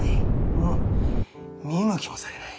もう見向きもされない。